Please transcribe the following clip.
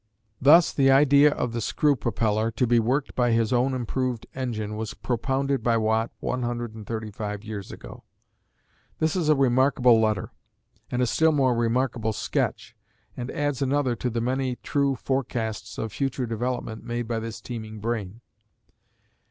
Thus the idea of the screw propeller to be worked by his own improved engine was propounded by Watt one hundred and thirty five years ago. This is a remarkable letter, and a still more remarkable sketch, and adds another to the many true forecasts of future development made by this teeming brain.